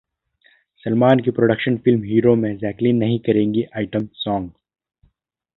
सलमान की production film Hero में Jacqueline नहीं करेंगी आइटम सॉन्ग